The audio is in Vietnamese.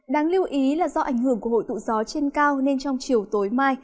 đáng lưu ý là do ảnh hưởng của hội tụ gió trên cao nên trong chiều tối mai